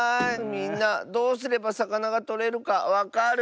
みんなどうすればさかながとれるかわかる？